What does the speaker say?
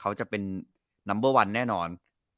เขาจะเป็นนัมเบอร์วันแน่นอน